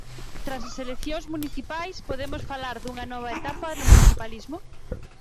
Tras as eleccións municipais podemos falar dunha nova etapa no municipalismo?